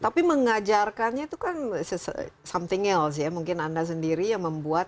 tapi mengajarkannya itu kan sesuatu yang lain ya mungkin anda sendiri yang membuat